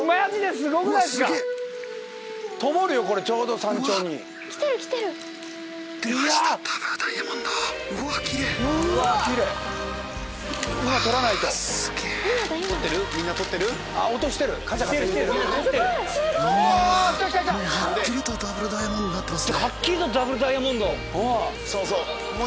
すごい！はっきりとダブルダイヤモンドになってます。